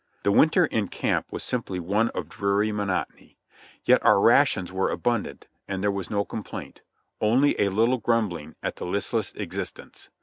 The winter in camp was simply one of dreary monotony, yet our rations were abundant and there was no complaint — only a little grumbling at the listless existence.